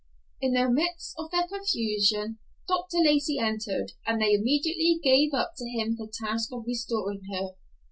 In the midst of their confusion Dr. Lacey entered, and they immediately gave up to him the task of restoring her.